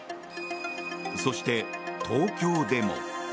そして、東京でも。